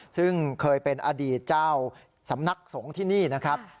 ซึ่งเคยเป็นอดีตเจ้าสำนักสงฆ์ที่นี่นะครับ